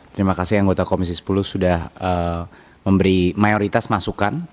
terima kasih anggota komisi sepuluh sudah memberi mayoritas masukan